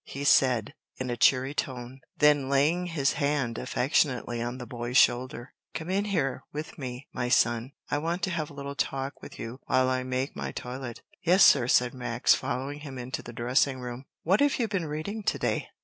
he said, in a cheery tone, then laying his hand affectionately on the boy's shoulder. "Come in here with me, my son, I want to have a little talk with you while I make my toilet." "Yes, sir," said Max, following him into the dressing room. "What have you been reading to day?"